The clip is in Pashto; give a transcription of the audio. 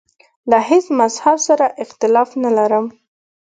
له هیڅ مذهب سره اختلاف نه لرم.